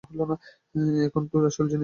এখনও তো আসল জিনিসটাই দেখার বাকি।